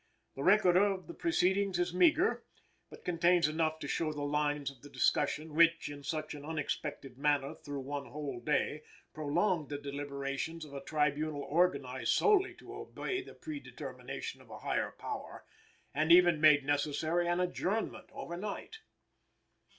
The record of the proceedings is meagre, but contains enough to show the lines of the discussion which, in such an unexpected manner through one whole day, prolonged the deliberations of a tribunal organized solely to obey the predetermination of a higher power, and even made necessary an adjournment over night.